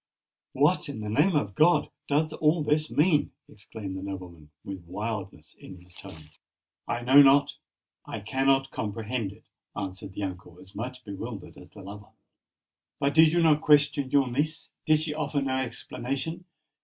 "What, in the name of God! does all this mean?" exclaimed the nobleman, with wildness in his tone. "I know not—I cannot comprehend it," answered the uncle, as much bewildered as the lover. "But did you not question your niece? did she offer no explanation?